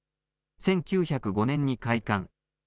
１９０５年に開館。